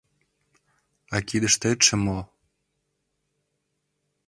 — А кидыштетше мо?